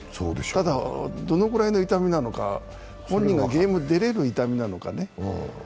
ただ、どのぐらいの痛みなのか、本人がゲームに出れる痛みなのかね。